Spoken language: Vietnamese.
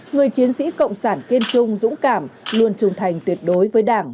người chiến sĩ cộng sản kiên trung dũng cảm luôn trung thành tuyệt đối với đảng